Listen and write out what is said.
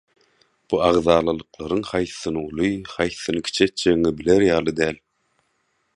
bu agzalalyklaryň haýsysyny uly, haýsysyny kiçi etjegiňi biler ýaly däl.